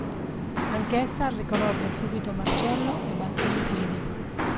Anch'essa riconobbe subito Marcello e balzò in piedi.